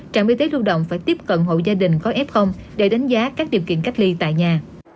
trạm y tế lưu động phải tiếp cận hộ gia đình có f để đánh giá các điều kiện cách ly tại nhà